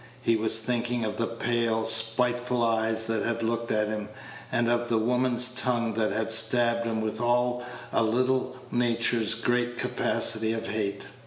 He was thinking of the pale, spiteful eyes that had looked at him, and of the woman's tongue that had stabbed him with all a little nature's great capacity for hate.